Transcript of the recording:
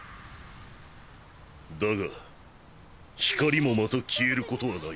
だが光もまた消えることはない。